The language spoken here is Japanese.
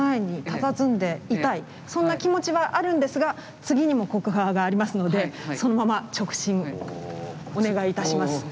そんな気持ちはあるんですが次にも国宝がありますのでそのまま直進お願いいたします。